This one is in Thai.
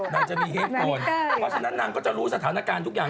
นางจะมีเฮดโฟนเพราะฉะนั้นนางก็จะรู้สถานการณ์ทุกอย่าง